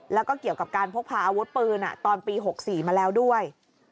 แล้วก็เกี่ยวกับการพกพาอาวุธปืนตอนปี๖๔มาแล้วด้วย